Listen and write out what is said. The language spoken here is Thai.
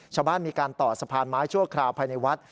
ชาวบ้านมีการต่อสะพานไม้ชั่วคราวภายในวัด